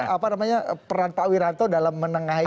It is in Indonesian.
apa namanya peran pak wiranto dalam menengahi